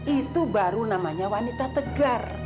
itu baru namanya wanita tegar